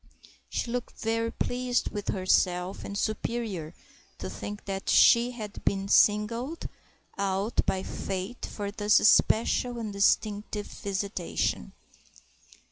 She looked very pleased with herself and superior, to think that she had been singled out by Fate for this special and distinctive visitation.